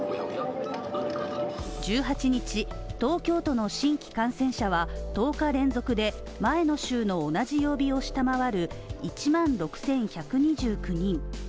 １８日、東京都の新規感染者は１０日連続で前の週の同じ曜日を下回る１万６１２９人。